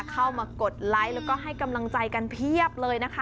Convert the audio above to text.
เข้ามากดไลค์แล้วก็ให้กำลังใจกันเพียบเลยนะคะ